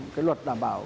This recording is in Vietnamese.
cái luật đảm bảo